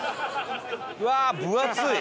うわー分厚い！